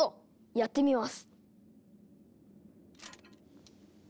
やってみます。